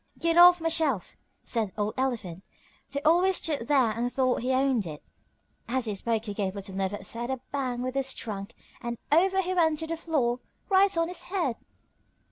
"Get off my shelf!" said old Elephant, who always stood there and thought he owned it, and as he spoke he gave Little Never upset a bang with his trunk and over he went on the floor, right on his head!